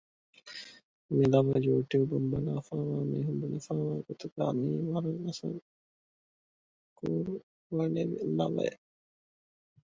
މި ލަވަ ޔޫޓިއުބުން ބަލާފައިވާ މީހުން ބުނެފައިވާ ގޮތުގައި މިއީ ވަރަށް އަސަރު ކުރުވަނިވި ލަވައެއް